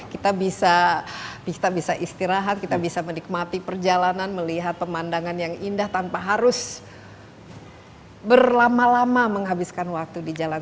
kita bisa istirahat kita bisa menikmati perjalanan melihat pemandangan yang indah tanpa harus berlama lama menghabiskan waktu di jalan